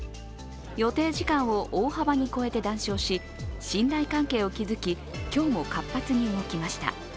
予定時間を大幅に超えて談笑し信頼関係を築き今日も活発に動きました。